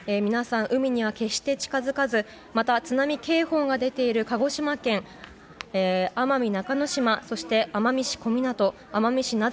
皆さん、海には決して近づかずまた津波警報が出ている鹿児島県奄美中之島そして奄美市小湊奄美市